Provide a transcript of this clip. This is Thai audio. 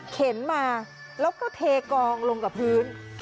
เข็นมาแล้วก็เทกองลงกับพื้น